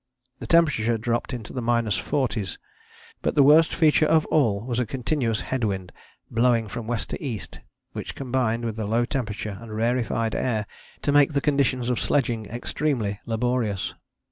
The temperature dropped into the minus forties; but the worst feature of all was a continuous head wind blowing from west to east which combined with the low temperature and rarefied air to make the conditions of sledging extremely laborious.